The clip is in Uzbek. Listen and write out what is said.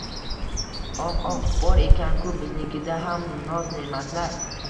“Oh, oh! Bor ekan-ku biznikida ham noz-ne’matlar.